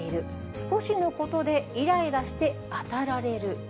少しのことでいらいらして当たられる。